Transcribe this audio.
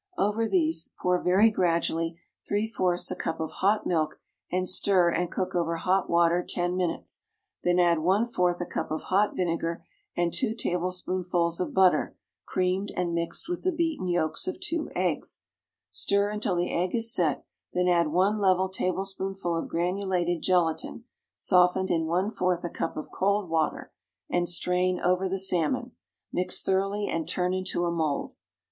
Over these pour very gradually three fourths a cup of hot milk and stir and cook over hot water ten minutes, then add one fourth a cup of hot vinegar and two tablespoonfuls of butter creamed and mixed with the beaten yolks of two eggs; stir until the egg is set, then add one level tablespoonful of granulated gelatine, softened in one fourth a cup of cold water, and strain over the salmon; mix thoroughly, and turn into a mould.